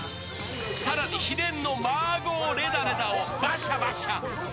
更に秘伝のマーゴーレダレだをバシャバシャ！